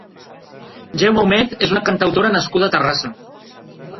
Gemma Humet és una cantautora nascuda a Terrassa.